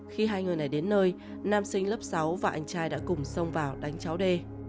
khi hai người này đến nơi nam sinh lớp sáu và anh trai đã cùng xông vào đánh cháu đê